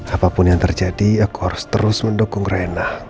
apapun yang terjadi aku harus terus mendukung raina